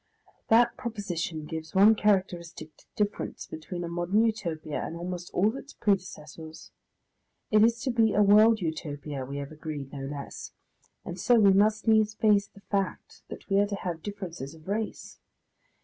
That proposition gives one characteristic difference between a modern Utopia and almost all its predecessors. It is to be a world Utopia, we have agreed, no less; and so we must needs face the fact that we are to have differences of race.